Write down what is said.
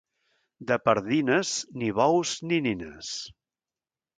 De Pardines, ni bous ni nines.